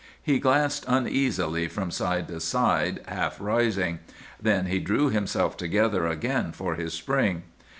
He glanced uneasily from side to side, half rising. Then he drew himself together again for his spring.